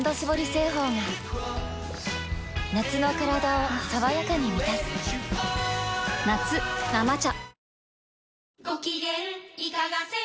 製法が夏のカラダを爽やかに満たす夏「生茶」